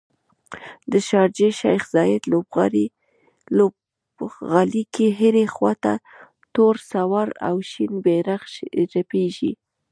د شارجې شیخ ذاید لوبغالي کې هرې خواته تور، سور او شین بیرغ رپیږي